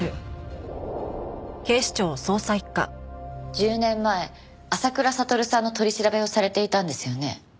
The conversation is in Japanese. １０年前浅倉悟さんの取り調べをされていたんですよね？